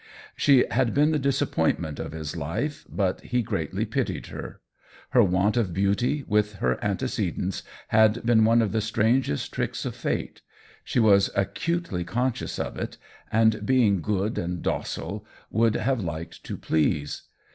She had been the disappointment of his life, but he greatly pitied her. Her want of beauty, with her antecedents, had been one of the strangest tricks of fate \ she was acutely con 44 THE WHEEL OF TIME scious of it, and being good and docile, would have liked to please.